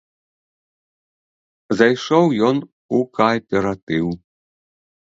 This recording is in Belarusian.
Зайшоў ён у кааператыў.